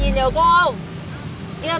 nhìn nhớ cô không